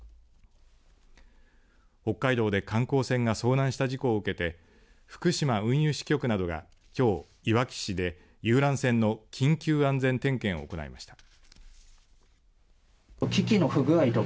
北海道で観光船が遭難した事故を受けて福島運輸支局などがきょう、いわき市で遊覧船の緊急安全点検を行いました。